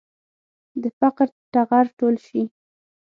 د فقر ټغر ټول شي.